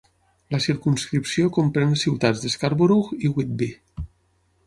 La circumscripció comprèn les ciutats de Scarborough i Whitby.